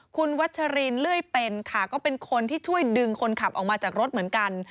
คุณวัชรินเลื่อยเป็นค่ะก็เป็นคนที่ช่วยดึงคนขับออกมาจากรถเหมือนกัน